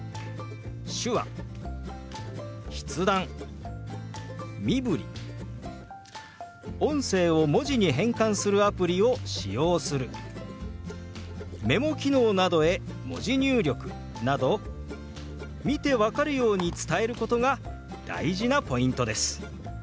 手話筆談身振り音声を文字に変換するアプリを使用するメモ機能などへ文字入力など見て分かるように伝えることが大事なポイントです。